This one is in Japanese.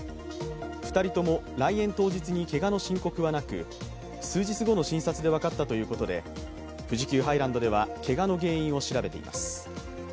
２人とも来園当日にけがの申告はなく数日後の診察で分かったということで、富士急ハイランドでは、けがの原因を調べています。